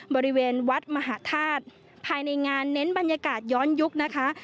บริเวณวัดมหาธาตุภายในงานเน้นบรรยากาศย้อนยุคนะคะ